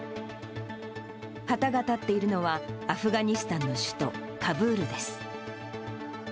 旗が立っているのは、アフガニスタンの首都カブールです。